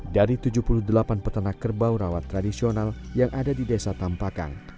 dari tujuh puluh delapan peternak kerbau rawat tradisional yang ada di desa tampakan